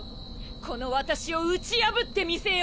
この私を打ち破ってみせよ！